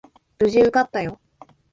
無事受かったよ。